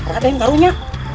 ada yang barunya